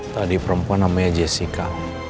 tadi perempuan namanya jessica